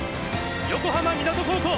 横浜湊高校。